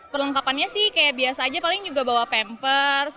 perlengkapannya sih kayak biasa aja paling juga bawa pampers